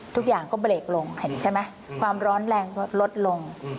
ทุกอย่างก็เบรกลงความร้อนแรงก็ลดลง